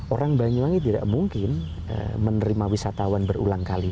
orang banyuwangi tidak mungkin menerima wisatawan berulang kali